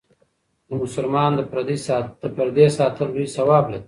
د مسلمان د پردې ساتل لوی ثواب لري.